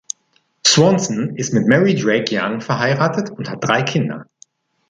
Swanson ist mit Mary Drake Young verheiratet und hat drei Kinder.